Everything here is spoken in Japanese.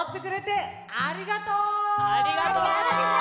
ありがとう！